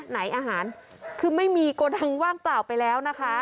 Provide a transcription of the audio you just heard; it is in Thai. อาหารคือไม่มีโกดังว่างเปล่าไปแล้วนะคะ